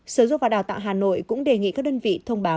sở dụng và đào tạo hà nội cũng đề nghị các đơn vị thông báo